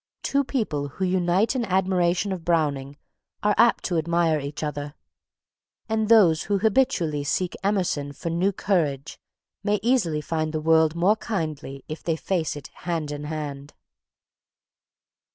Two people who unite in admiration of Browning are apt to admire each other, and those who habitually seek Emerson for new courage may easily find the world more kindly if they face it hand in hand.